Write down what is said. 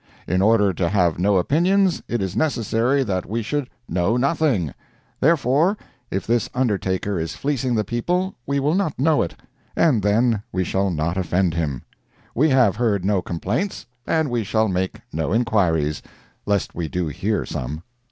In order to have no opinions, it is necessary that we should know nothing—therefore, if this undertaker is fleecing the people, we will not know it, and then we shall not offend him. We have heard no complaints, and we shall make no inquiries, lest we do hear some."